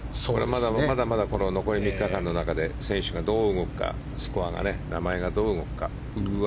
まだまだ残り３日間の中で選手がどう動くかスコア、名前がどう動くか。